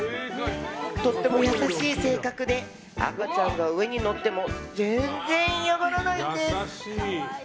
とっても優しい性格で赤ちゃんが上に乗っても全然、嫌がらないんです。